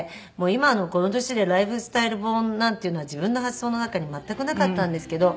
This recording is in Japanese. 今のこの年でライフスタイル本なんていうのは自分の発想の中に全くなかったんですけど。